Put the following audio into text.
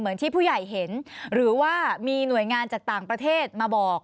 ที่ผู้ใหญ่เห็นหรือว่ามีหน่วยงานจากต่างประเทศมาบอก